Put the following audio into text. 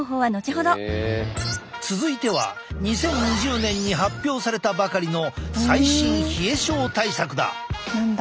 続いては２０２０年に発表されたばかりの最新冷え症対策だ。